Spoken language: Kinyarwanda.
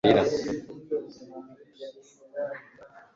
kandi ndakuririmbira amarira